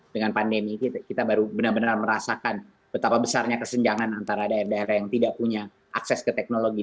dengan pandemi kita baru benar benar merasakan betapa besarnya kesenjangan antara daerah daerah yang tidak punya akses ke teknologi